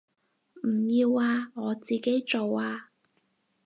唔要啊，我自己做啊